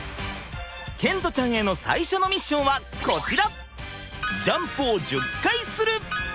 賢澄ちゃんへの最初のミッションはこちら！